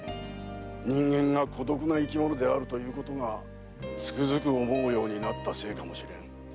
人間が孤独な生き物だということがつくづく思うようになったせいかもしれん。